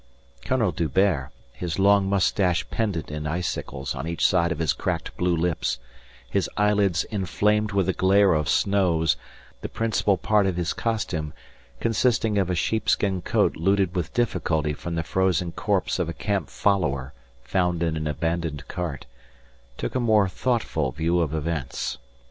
Colonel D'Hubert, his long moustache pendent in icicles on each side of his cracked blue lips, his eyelids inflamed with the glare of snows, the principal part of his costume consisting of a sheepskin coat looted with difficulty from the frozen corpse of a camp follower found in an abandoned cart, took a more thoughtful view of events.